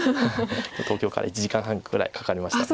東京から１時間半ぐらいかかりました。